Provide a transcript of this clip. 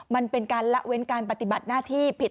มันเป็นการละเว้นการปฏิบัติหน้าที่ผิด